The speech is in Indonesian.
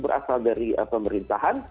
berasal dari pemerintahan